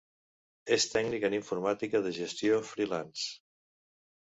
És tècnic en informàtica de gestió ‘freelance’.